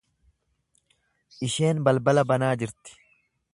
Isheen balbala banaa jirti.